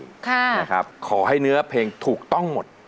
ค่ะนะครับขอให้เนื้อเพลงถูกต้องหมด